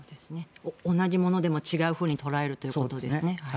同じものでも違うふうに捉えるということですね。